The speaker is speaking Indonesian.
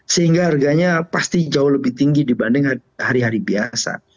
sehingga harganya pasti jauh lebih tinggi dibanding hari hari biasa